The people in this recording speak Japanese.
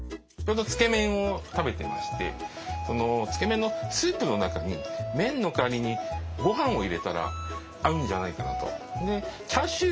ちょうどつけ麺を食べてましてそのつけ麺のスープの中に麺の代わりにご飯を入れたら合うんじゃないかなと。